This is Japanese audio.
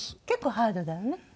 結構ハードだよね。